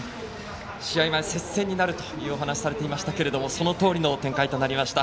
試合前、接戦になるとお話されていましたがそのとおりの展開となりました。